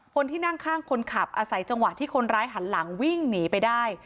คนที่นั่งข้างคนขับอาศัยจังหวะที่คนร้ายหันหลังวิ่งหนีไปได้